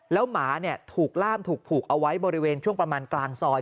แล้วหมาถูกล่ามถูกผูกเอาไว้บริเวณช่วงประมาณกลางซอย